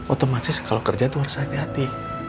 otomatis kalau kerja itu harus hati hati